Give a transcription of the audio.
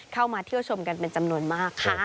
เข้ามาเที่ยวชมกันเป็นจำนวนมากค่ะ